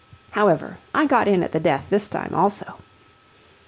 However, I got in at the death this time also.